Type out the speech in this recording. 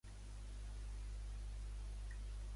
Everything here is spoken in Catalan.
Hi ha moltes línies roges a l’altra banda, ha lamentat.